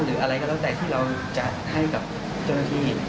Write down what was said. หรืออะไรก็แล้วแต่ที่เราจัดให้กับเจ้าหน้าที่